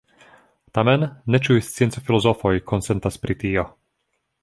Tamen ne ĉiuj scienco-filozofoj konsentas pri tio.